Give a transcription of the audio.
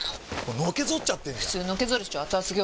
のけぞっちゃってんじゃんフツーのけぞるっしょ